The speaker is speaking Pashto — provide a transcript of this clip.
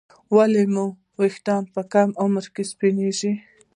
ولې مو ویښتان په کم عمر کې سپینېږي